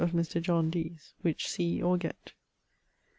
of Mr. John Dee's, which see or gett.